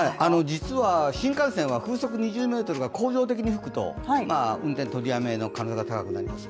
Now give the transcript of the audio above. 実は新幹線は風速２０メートルが恒常的に吹くと運転取りやめの可能性が高くなります。